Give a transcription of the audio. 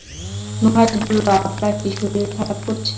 নুহাশ বলল, আপনার কি শরীর খারাপ করছে?